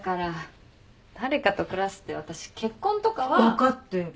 分かってる。